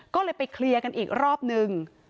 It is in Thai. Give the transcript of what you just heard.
ก็เลยไปเคลียร์กันอีกรอบนึง